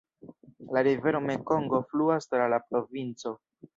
La rivero Mekongo fluas tra la provinco.